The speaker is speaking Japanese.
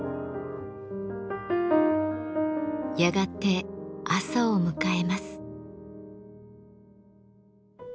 やがて朝を迎えます。